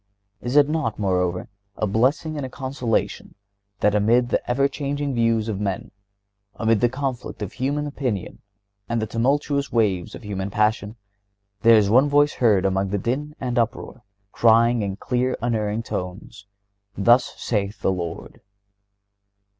Is it not, moreover, a blessing and a consolation that, amid the ever changing views of men, amid the conflict of human opinion and the tumultuous waves of human passion, there is one voice heard above the din and uproar, crying in clear, unerring tones: "Thus saith the Lord?"